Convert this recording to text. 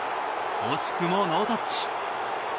惜しくもノータッチ。